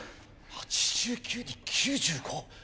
８９に９５？